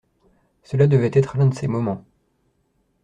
Cela devait être un de ces moments.